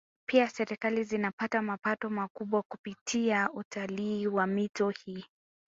Pia Serikali zinapata mapato makubwa kupitia utalii wa mito hii